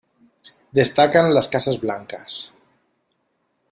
Destacan las casas blancas.